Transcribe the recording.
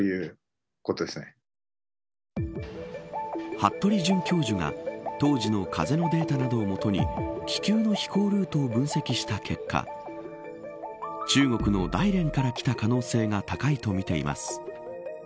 服部准教授が当時の風のデータなどを基に気球の飛行ルートを分析した結果中国の大連から来た可能性が高いとみています。